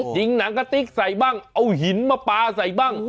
หญิงหนังกะติ๊กใส่บ้างเอาหินมาปลาใส่บ้าง